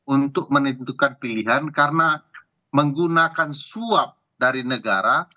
untuk menentukan pilihan karena menggunakan suap dari negara